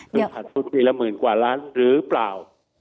โดยผ่านชุดปีละหมื่นกว่าล้านหรือเปล่า